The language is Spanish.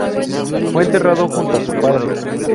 Fue enterrado junto a su padre.